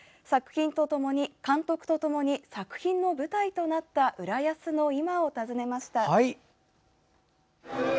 監督とともに作品の舞台となった浦安の今を訪ねました。